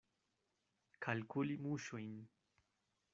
Kalkuli muŝojn.